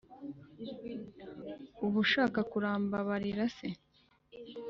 uba ushaka kurambabarira se